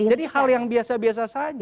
jadi hal yang biasa biasa saja